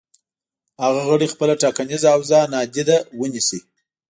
هغه غړي خپله ټاکنیزه حوزه نادیده ونیسي.